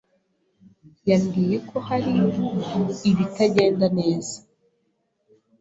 yambwiye ko hari ibitagenda neza.